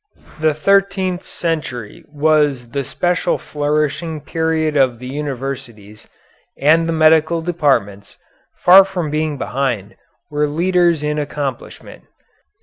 The thirteenth century was the special flourishing period of the universities, and the medical departments, far from being behind, were leaders in accomplishment.